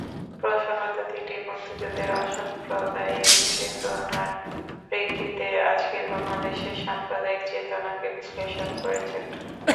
প্রসঙ্গত তিনি মুক্তিযুদ্ধের অসাম্প্রদায়িক চেতনার প্রেক্ষিতে আজকের বাংলাদেশের সাম্প্রদায়িক চেতনাকে বিশ্লেষণ করেছেন।